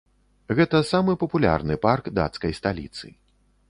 Гэта самы папулярны парк дацкай сталіцы.